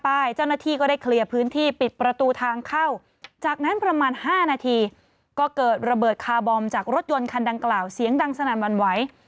เจ้าหน้าที่ก็ได้เคลียร์พื้นที่ปิดประตูทางเข้าจากนั้นประมาณ๕นาทีก็เกิดระเบิดคาร์บอมจากรถยนต์คันดังกล่าวเสียงดังสนั่นวันไหว